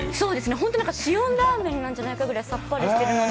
本当に塩ラーメンなんじゃないかってくらいさっぱりしてるので。